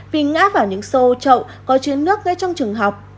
vì ngã vào những xô trậu có chứa nước ngay trong trường học